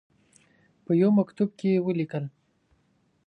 په یوه مکتوب کې ولیکل.